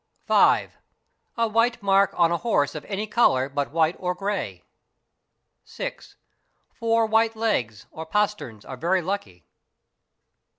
5. A white mark on a horse of any colour but white or grey. 6. Four white legs or pasterns are very lucky.